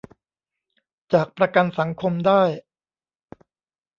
จากประกันสังคมได้